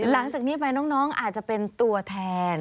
หลังจากนี้ไปน้องอาจจะเป็นตัวแทน